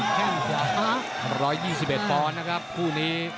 แค่งขวา๑๒๑ปอนด์นะครับคู่นี้